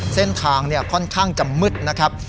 เส้นทางค่อนข้างจะมืดนะครับ